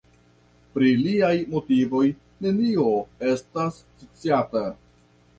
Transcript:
Pri liaj motivoj nenio estas sciata.